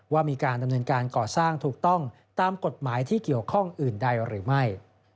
ว่ามีการดำเนินการก่อสร้างถูกต้องตามกฎหมายที่เกี่ยวข้องอื่นใดหรือไม่